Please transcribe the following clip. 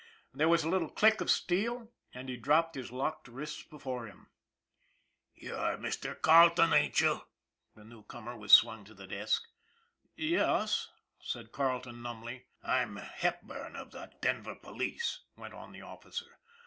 There was a little click of steel, and he dropped his locked wrists before him. '( You're Mr. Carleton, aren't you?" the new comer had swung to the desk. " Yes," said Carleton numbly. " I'm Hepburn of the Denver police," went on the officer.